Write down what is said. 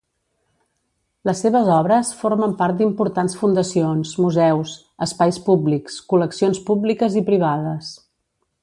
Les seves obres formen part d’importants fundacions, museus, espais públics, col·leccions públiques i privades.